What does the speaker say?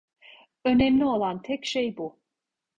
Önemli olan tek şey bu.